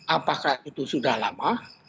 apakah itu sudah lama